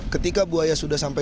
ketika buaya sudah sampai